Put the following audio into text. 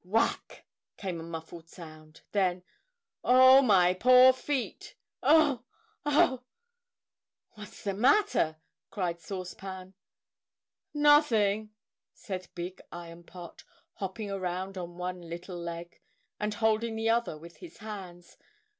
Whack! came a muffled sound. Then, "Oh, my poor feet! Oh! Oh!" "What's the matter?" asked Sauce Pan. "Nothing," said Big Iron Pot, hopping around on one little leg, and holding the other with his hands.